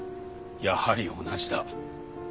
やはり同じだ。